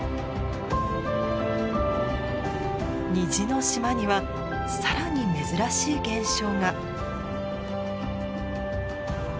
虹の島には更に珍しい現象が。